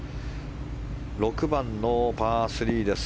６番のパー３です。